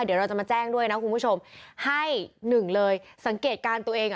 เดี๋ยวเราจะมาแจ้งด้วยนะคุณผู้ชมให้หนึ่งเลยสังเกตการณ์ตัวเองอ่ะ